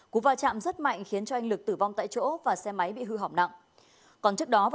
cú va chạm rất mạnh khiến anh lực tử vong tại chỗ và xe máy bị hư hỏng nặng